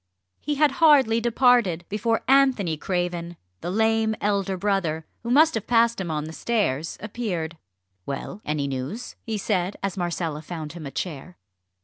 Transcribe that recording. He had hardly departed before Anthony Craven, the lame elder brother, who must have passed him on the stairs, appeared. "Well any news?" he said, as Marcella found him a chair.